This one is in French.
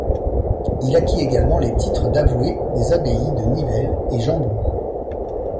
Il acquit également les titres d'avoué des abbayes de Nivelles et Gembloux.